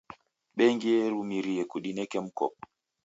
Bengi yarumirie kudineka mkopo.